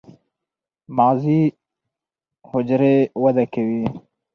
مغزي حجرې وده کوي.